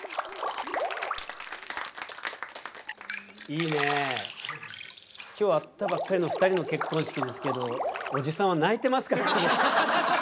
いいね今日会ったばっかりの２人の結婚式ですけどおじさんは泣いてますからね。